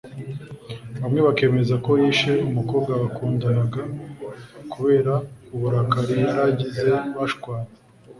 bamwe bakemeza ko yishe umukobwa bakundanaga kubera uburakari yari agize bashwanye